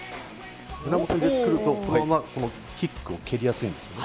胸元に来ると、このままキックを蹴りやすいんですね。